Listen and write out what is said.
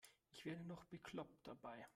Ich werde noch bekloppt dabei.